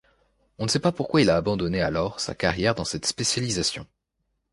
On ne sait pas pourquoi il a abandonné alors sa carrière dans cette spécialisation.